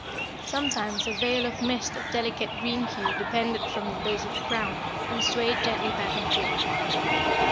Sometimes a veil of mist of delicate green hue depended from the base of the crown, and swayed gently back and forth.